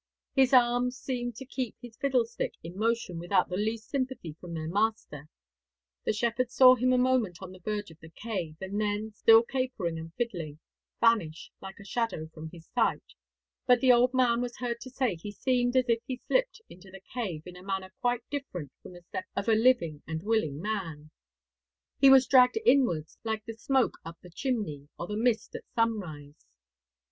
His arms seemed to keep his fiddlestick in motion without the least sympathy from their master. The shepherd saw him a moment on the verge of the cave, and then, still capering and fiddling, vanish like a shadow from his sight;' but the old man was heard to say he seemed as if he slipped into the cave in a manner quite different from the step of a living and a willing man; 'he was dragged inwards like the smoke up the chimney, or the mist at sunrise.'